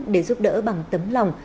để giúp đỡ bằng tấm lòng